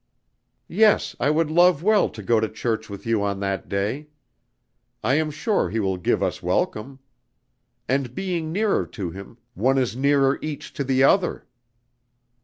"Yes, I would love well to go to church with you on that day. I am sure He will give us welcome. And being nearer to Him, one is nearer each to the other."